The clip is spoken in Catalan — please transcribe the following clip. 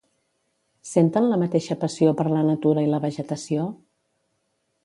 Senten la mateixa passió per la natura i la vegetació?